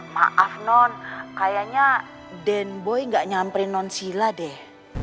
maaf non kayaknya den boy gak nyamperin non sila deh